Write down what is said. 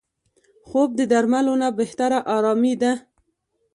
خوب د درملو نه بهتره آرامي ده